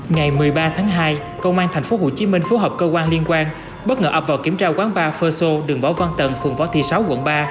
ngày một mươi ba tháng hai công an tp hcm phối hợp cơ quan liên quan bất ngờ ập vào kiểm tra quán ba phê xô đường võ văn tận phường võ thị sáu quận ba